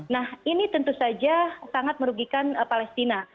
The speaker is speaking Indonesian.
nah ini tentu saja sangat merugikan palestina